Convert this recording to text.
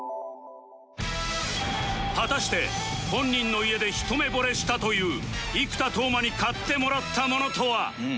果たして本人の家でひと目ぼれしたという生田斗真に買ってもらった物とは？